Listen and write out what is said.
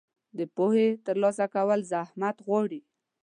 د پوهې ترلاسه کول زحمت غواړي.